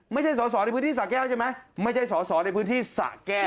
ไม่ใช่สอสอในพื้นที่สะแก้วใช่ไหมไม่ใช่สอสอในพื้นที่สะแก้ว